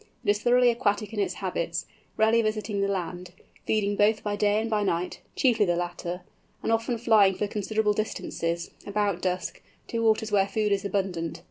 It is thoroughly aquatic in its habits, rarely visiting the land, feeding both by day and by night (chiefly the latter), and often flying for considerable distances, about dusk, to waters where food is abundant.